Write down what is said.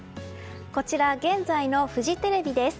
こちら、現在のフジテレビです。